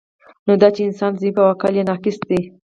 نو دا چی انسان ضعیف او عقل یی ناقص دی